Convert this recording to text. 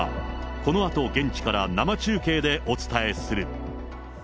このあと現地から生中継でお伝えする。